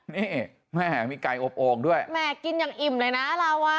นี่แม่มีไก่อบโอ่งด้วยแม่กินอย่างอิ่มเลยนะเราอ่ะ